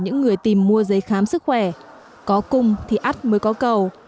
những người tìm mua giấy khám sức khỏe có cung thì át mới có cầu